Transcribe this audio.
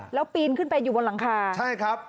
แล้วบีนขึ้นไปอยู่บนหลางคา